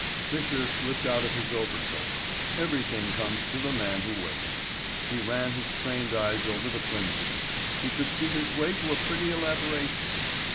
Fisher slipped out of his overcoat. Everything comes to the man who waits. He ran his trained eyes over the flimsies; he could see his way to a pretty elaboration.